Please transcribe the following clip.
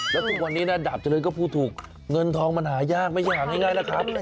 แล้วทุกวันนี้นะดาบเจริญก็พูดถูกเงินทองมันหายากไม่ใช่หาง่ายแล้วครับ